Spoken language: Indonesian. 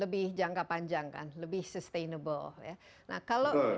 lebih jangka panjang kan lebih sustainable